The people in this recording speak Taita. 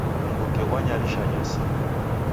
Mruke ghwanyarisha nyasi.